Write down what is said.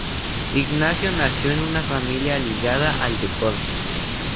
Ignacio nació en una familia ligada al deporte.